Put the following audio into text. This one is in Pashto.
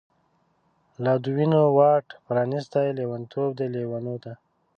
لادوینو واټ پرانستی، لیونتوب دی لیونو ته